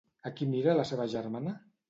A qui mira la seva germana?